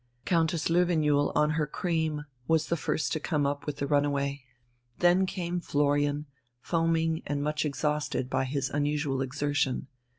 Countess Löwenjoul on her cream was the first to come up with the runaway. Then came Florian, foaming and much exhausted by his unusual exertion.